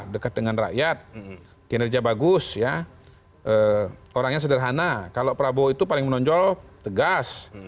dekat dengan rakyat kinerja bagus ya orangnya sederhana kalau prabowo itu paling menonjol tegas